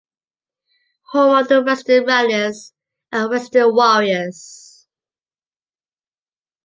Home of the Weston Rattlers and Weston Warriors.